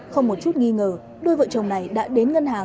không một chút nghi ngờ đôi vợ chồng này đã đến ngân hàng